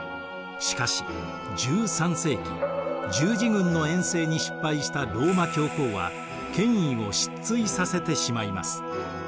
しかし１３世紀十字軍の遠征に失敗したローマ教皇は権威を失墜させてしまいます。